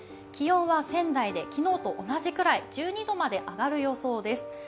気温は仙台で昨日と同じぐらい１２度まで上がる予想です。